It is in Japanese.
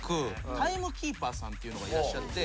タイムキーパーさんっていうのがいらっしゃって。